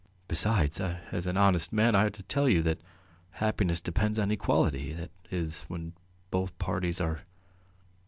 Besides, as an honest man I ought to tell you that ... happiness depends on equality that is, when both parties are